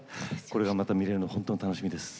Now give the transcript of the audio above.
これがまた見れるのほんとに楽しみです。